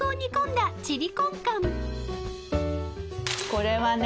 これはね